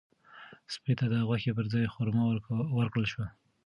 سپي ته د غوښې پر ځای خورما ورکړل شوه.